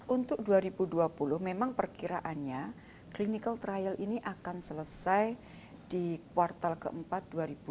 untuk dua ribu dua puluh memang perkiraannya clinical trial ini akan selesai di kuartal keempat dua ribu dua puluh